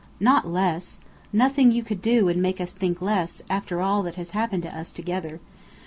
"Not less. Nothing you could do would make us think less, after all that has happened to us, together.